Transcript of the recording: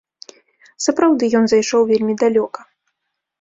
Сапраўды ён зайшоў вельмі далёка.